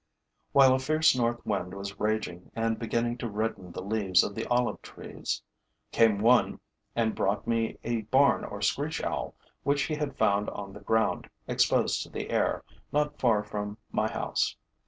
While a fierce north wind was raging and beginning to redden the leaves of the olive trees, came one and brought me a barn or screech owl, which he had found on the ground, exposed to the air, not far from my house.